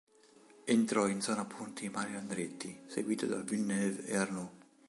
Entrò in zona punti Mario Andretti, seguito da Villeneuve e Arnoux.